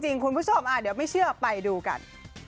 คุณผู้ชมเดี๋ยวไม่เชื่อไปดูกัน